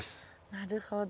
なるほど。